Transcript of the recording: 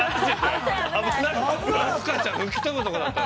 ◆飛鳥ちゃん、吹き飛ぶところだったよ。